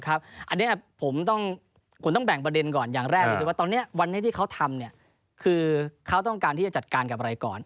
อันนี้ผมต้องแบ่งประเด็นก่อนอย่างแรกก็คือว่าตอนนี้วันนี้ที่เขาทำคือเขาต้องการที่จะจัดการกับอะไรก่อน